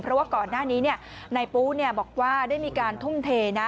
เพราะว่าก่อนหน้านี้นายปูบอกว่าได้มีการทุ่มเทนะ